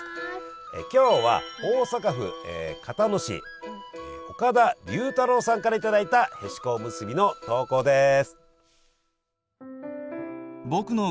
今日は大阪府交野市岡田龍太郎さんから頂いたへしこおむすびの投稿です。